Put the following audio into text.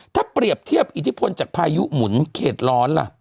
ถ้าเปรียบเทียบอิทธิพลจากพายุหมุนเขตร้อนล่ะ